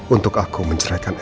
untuk aku menceraikan elsa